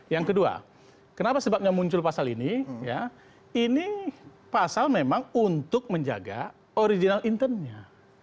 yang kedua kenapa sebabnya muncul pasal ini ini pasal memang untuk menjaga original intentnya